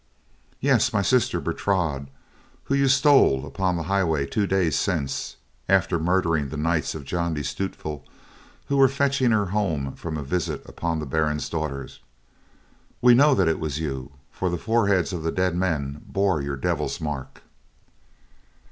"Yes, my sister Bertrade, whom you stole upon the highroad two days since, after murdering the knights of John de Stutevill who were fetching her home from a visit upon the Baron's daughter. We know that it was you for the foreheads of the dead men bore your devil's mark."